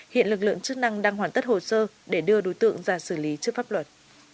hiện lực lượng chức năng đang hoàn tất hồ sơ để đưa đối tượng ra xử lý trước pháp luật